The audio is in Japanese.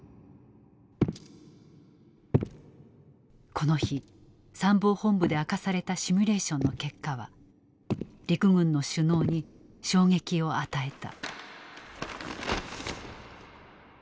この日参謀本部で明かされたシミュレーションの結果は陸軍の首脳に衝撃を与えた。